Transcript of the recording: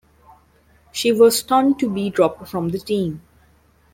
She was stunned to be dropped from the team.